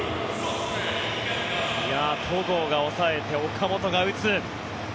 戸郷が抑えて岡本が打つ。